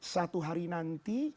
satu hari nanti